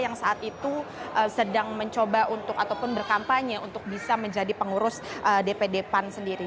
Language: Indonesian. yang saat itu sedang mencoba untuk ataupun berkampanye untuk bisa menjadi pengurus dpd pan sendiri